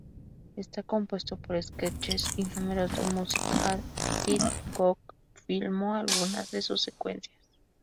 Está compuesto por sketches y números de music-hall, Hitchcock filmó algunas de sus secuencias.